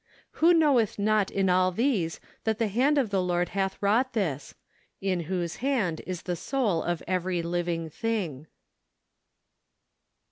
" Who knoweth not in all these that the hand of the Lord hath wrought this? In whose hand is the soul of every living thing."